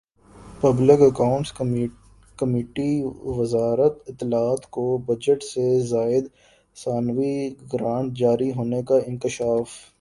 public accounts کمیٹیوزارت اطلاعات کو بجٹ سے زائد ثانوی گرانٹ جاری ہونے کا انکشاف